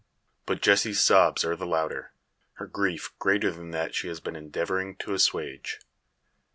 But Jessie's sobs are the louder, her grief greater than that she has been endeavouring to assuage.